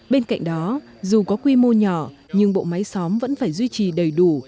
bên cạnh đó dù có quy mô nhỏ nhưng bộ máy xóm vẫn phải duy trì đầy đủ